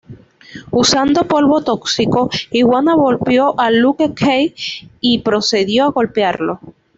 Usando polvo tóxico, Iguana golpeó a Luke Cage y procedió a golpearlo.